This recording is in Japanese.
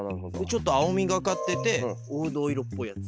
ちょっと青みがかかってて黄土色っぽいやつ。